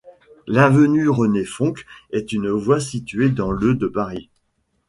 L'avenue René-Fonck est une voie située dans le de Paris.